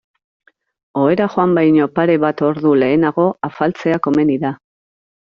Ohera joan baino pare bat ordu lehenago afaltzea komeni da.